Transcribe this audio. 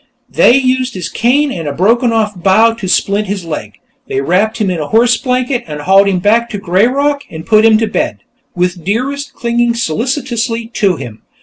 They used his cane and a broken off bough to splint the leg; they wrapped him in a horse blanket and hauled him back to "Greyrock" and put him to bed, with Dearest clinging solicitously to him.